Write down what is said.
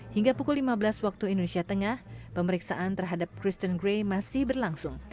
hingga pukul lima belas waktu indonesia tengah pemeriksaan terhadap kristen gray masih berlangsung